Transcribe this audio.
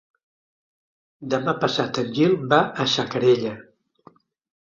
Demà passat en Gil va a Xacarella.